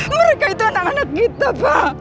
mereka itu anak anak kita pak